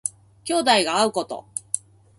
兄弟が会うこと。